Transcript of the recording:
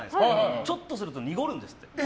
ちょっとすると濁るんですって。